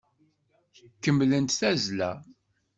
Kemmlemt tazzla!